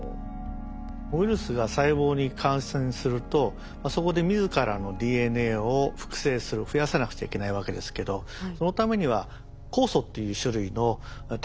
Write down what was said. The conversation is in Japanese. ウイルスが細胞に感染するとそこで自らのＤＮＡを複製する増やさなくちゃいけないわけですけどそのためには酵素っていう種類のタンパク質が必要なんですね。